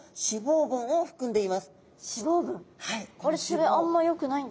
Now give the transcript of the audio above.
あんまよくないんじゃ？